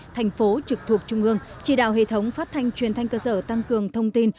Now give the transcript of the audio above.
thành phố trực thuộc trung ương chỉ đạo hệ thống phát thanh truyền thanh cơ sở tăng cường thông tin